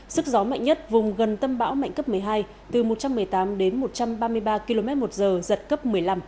sức gió mạnh nhất vùng gần tâm bão mạnh cấp một mươi hai từ một trăm một mươi tám đến một trăm ba mươi ba km một giờ giật cấp một mươi năm